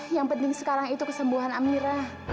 yang penting sekarang itu kesembuhan amira